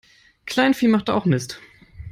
Kleinvieh macht auch Mist.